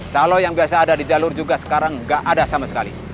calo yang biasa ada di jalur juga sekarang nggak ada sama sekali